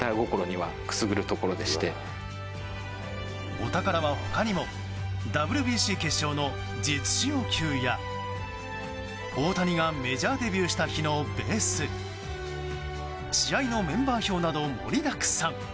お宝は他にもＷＢＣ決勝の実使用球や大谷がメジャーデビューした日のベース試合のメンバー表など盛りだくさん。